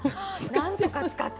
なんとか使って。